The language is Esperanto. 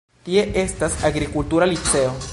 Tie estas agrikultura liceo.